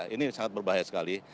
ini sangat berbahaya sekali